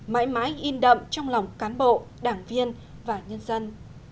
mãi mãi in đậm trong lòng cán bộ đảng viên và nhân dân